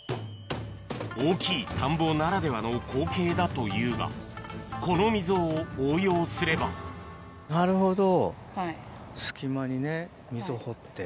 大きい田んぼならではの光景だというがこの溝を応用すればなるほど。